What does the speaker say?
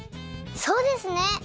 そうですね！